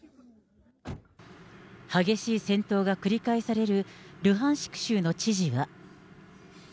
激しい戦闘が繰り返される、ルハンシク州の知事は。